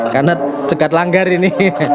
karena cekat langgar ini